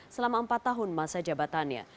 selama empat tahun masa jabatannya